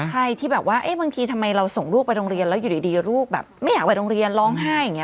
ใช่ที่แบบว่าบางทีทำไมเราส่งลูกไปโรงเรียนแล้วอยู่ดีลูกแบบไม่อยากไปโรงเรียนร้องไห้อย่างนี้